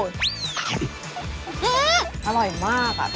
อร่อยมากอะ